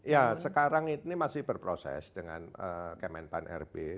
ya sekarang ini masih berproses dengan kemenpan rb